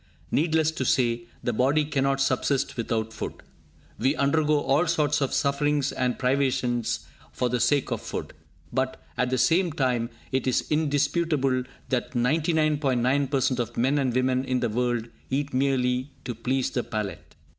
Needless to say, the body cannot subsist without food. We undergo all sorts of sufferings and privations for the sake of food. But, at the same time, it is indisputable that 99.9% of men and women in the world eat merely to please the palate.